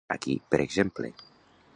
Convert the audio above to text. Aquí, per exemple.